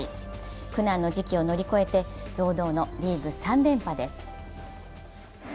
苦難の時期を乗り越えて、堂々のリーグ３連覇です。